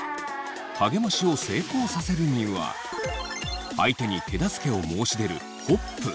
励ましを成功させるには相手に手助けを申し出るホップ。